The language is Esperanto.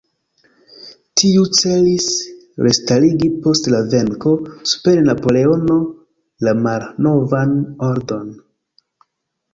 Tiu celis restarigi post la venko super Napoleono la malnovan ordon.